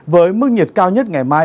với mức nhiệt cao nhất ngày mai